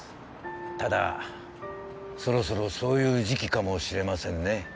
ただそろそろそういう時期かもしれませんね